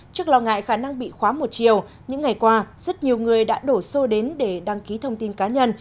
trước lo ngại khả năng bị khóa một chiều những ngày qua rất nhiều người đã đổ xô đến để đăng ký thông tin cá nhân